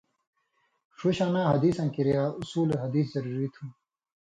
ݜُو شاناں حدیثاں کِریا اُصول حدیث ضروری تُھو،